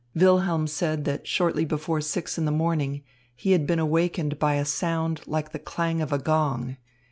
Wilhelm said that shortly before six in the morning, he had been awakened by a sound like the clang of a gong.